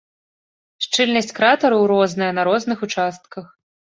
Шчыльнасць кратараў розная на розных участках.